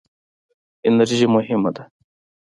انرژي مهمه ده.